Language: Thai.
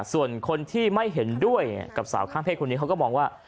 ส่วนคนที่ไม่เห็นด้วยกับสาวข้ามเพศคนนี้เขาก็มองว่า